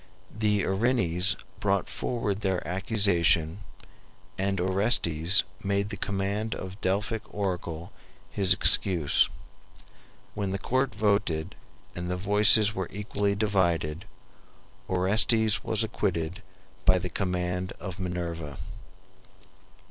The Erinyes brought forward their accusation, and Orestes made the command of the Delphic oracle his excuse. When the court voted and the voices were equally divided, Orestes was acquitted by the command of Minerva.